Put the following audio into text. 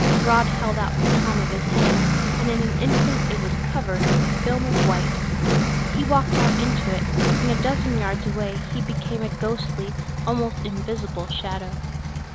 Rod held out the palm of his hand and in an instant it was covered with a film of white. He walked out into it, and a dozen yards away he became a ghostly, almost invisible shadow.